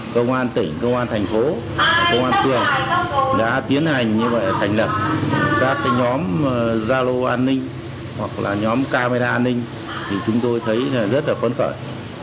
công an tỉnh công an thành phố công an phường đã tiến hành như vậy thành lập các nhóm gia lô an ninh hoặc là nhóm camera an ninh thì chúng tôi thấy rất là phấn khởi